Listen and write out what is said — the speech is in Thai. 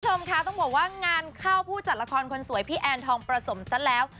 คุณผู้ชมค่ะต้องบอกว่างานเข้าผู้จัดละครคนสวยพี่แอนทองประสมซะแล้ว